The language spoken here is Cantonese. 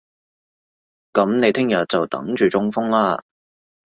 噉你聽日就等住中風啦